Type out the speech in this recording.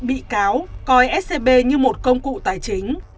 bị cáo coi scb như một công cụ tài chính